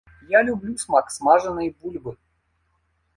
Я люблю смак смажанай бульбы.